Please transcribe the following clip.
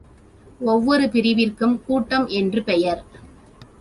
ஒவ்வொரு பிரிவிற்கும் கூட்டம் என்று பெயர்.